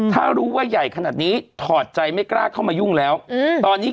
ถ้ารู้ว่าใหญ่ขนาดนี้ถอดใจไม่กล้าเข้ามายุ่งแล้วตอนนี้